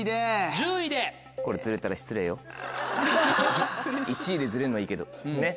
１位でズレるのはいいけどねっ。